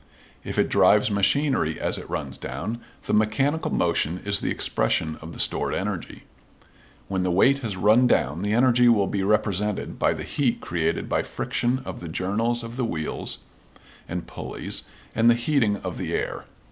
If it drives machinery as it runs down, the mechanical motion is the expression of the stored energy. When the weight has run down the energy will be represented by the heat created by friction of the journals of the wheels and pulleys and the heating of the air.